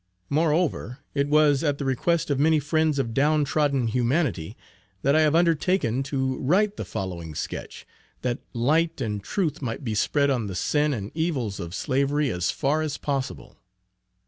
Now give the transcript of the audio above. Moreover, it was at the request of many friends of down trodden humanity, that I have undertaken to write the following sketch, that light and truth might be spread on the sin and evils of slavery as far as possible.